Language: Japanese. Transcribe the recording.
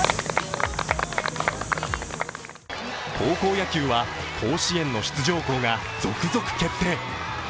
高校野球は甲子園の出場校が続々決定。